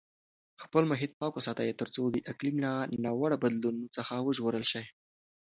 خپل محیط پاک وساتئ ترڅو د اقلیم له ناوړه بدلونونو څخه وژغورل شئ.